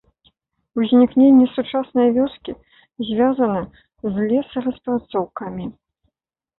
Узнікненне сучаснай вёскі звязана з лесараспрацоўкамі.